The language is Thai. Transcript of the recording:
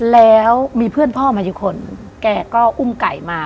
แล้วมีเพื่อนพ่อมากี่คนแกก็อุ้มไก่มา